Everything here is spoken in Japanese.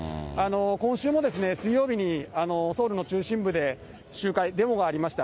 今週も水曜日にソウルの中心部で、集会、デモがありました。